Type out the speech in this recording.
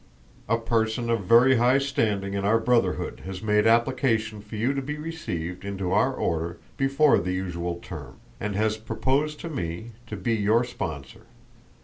"A person of very high standing in our Brotherhood has made application for you to be received into our Order before the usual term and has proposed to me to be your sponsor.